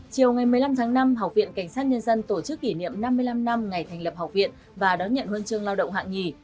chiều ngày một mươi năm tháng năm học viện cảnh sát nhân dân tổ chức kỷ niệm năm mươi năm năm ngày thành lập học viện và đón nhận huân chương lao động hạng nhì